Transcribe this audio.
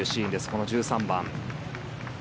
この１３番。